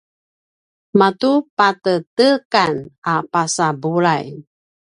matu putedekan a pasa bulay